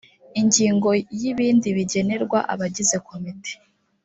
ingingo ya ibindi bigenerwa abagize komite